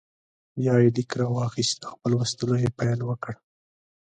بیا یې لیک راواخیست او په لوستلو یې پیل وکړ.